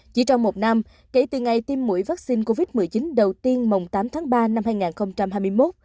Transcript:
chỉ trong một năm kể từ ngày tiêm mũi vaccine covid một mươi chín đầu tiên mùng tám tháng ba năm hai nghìn hai mươi một